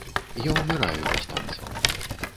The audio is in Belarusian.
Я ўміраю без танцаў.